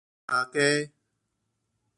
大家